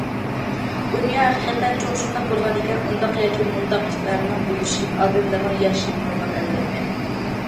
دۇنيا ھەقىقەتەن چوڭ، شۇنداق بولغانىكەن ئۇنداق ياكى مۇنداق ئىشلارنىڭ بولۇشى، ئادەملەرنىڭ ياشىشى نورمال ئەلۋەتتە.